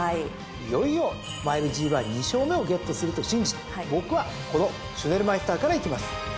いよいよマイルＧⅠ２勝目をゲットすると信じて僕はこのシュネルマイスターからいきます。